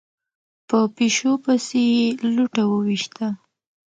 په پيشو پسې يې لوټه وويشته.